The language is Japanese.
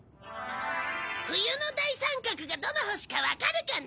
冬の大三角がどの星かわかるかな？